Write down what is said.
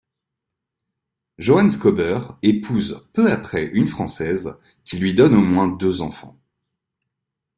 Johann Schobert épouse peu après une Française qui lui donne au moins deux enfants.